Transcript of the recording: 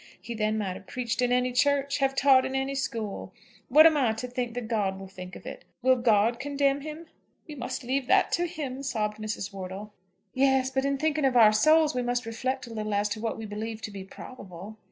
He then might have preached in any church, have taught in any school. What am I to think that God will think of it? Will God condemn him?" "We must leave that to Him," sobbed Mrs. Wortle. "Yes; but in thinking of our souls we must reflect a little as to what we believe to be probable.